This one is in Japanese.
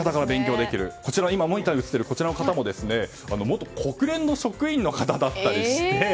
今、モニターに映っている方も元国連の職員の方だったりして。